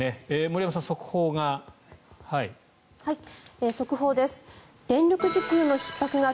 森山さん、速報が。